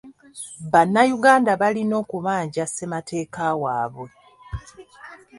Bannayuganda balina okubanja ssemateeka waabwe.